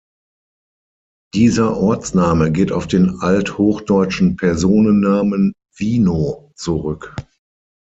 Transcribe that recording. Dieser Ortsname geht auf den althochdeutschen Personennamen "Wino" zurück.